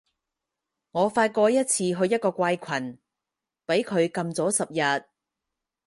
我發過一次去一個怪群，畀佢禁咗十日